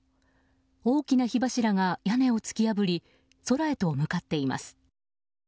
大きな火柱が屋根を突き破り空へと向かっています。